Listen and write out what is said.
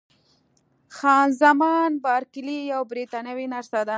خان زمان بارکلي یوه بریتانوۍ نرسه ده.